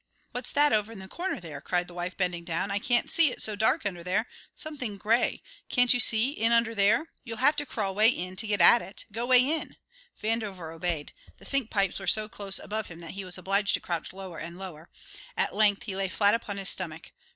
"What's that over in the corner there?" cried the wife, bending down. "I can't see, it's so dark under there something gray; can't you see, in under there? You'll have to crawl way in to get at it go way in!" Vandover obeyed. The sink pipes were so close above him that he was obliged to crouch lower and lower; at length he lay flat upon his stomach.